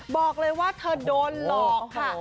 บอกเลยว่าเธอโดนหลอกค่ะ